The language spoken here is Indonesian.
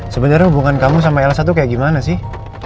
sebenernya hubungan kamu sama elsa itu kayak gimana sih